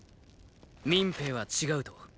民兵は違うと？